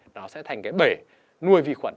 nó sẽ thành cái bể nuôi vi khuẩn